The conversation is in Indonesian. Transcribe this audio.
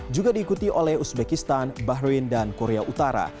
juga diikuti oleh uzbekistan bahrain dan korea utara